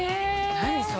何それ。